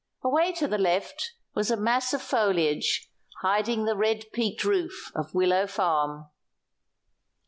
Away to the left was a mass of foliage hiding the red peaked roof of Willow Farm.